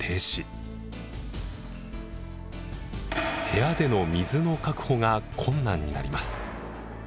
部屋での水の確保が困難になります。